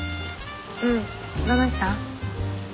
うんどないしたん？